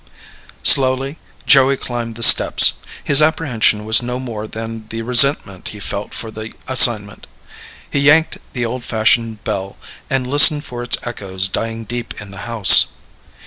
Slowly, Joey climbed the steps. His apprehension was no more than the resentment he felt for the assignment. He yanked the old fashioned bell and listened for its echoes dying deep in the house.